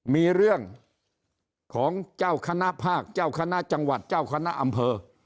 มีเรื่องของเจ้าคณะภาคเจ้าคณะจังหวัดเจ้าคณะอำเภอ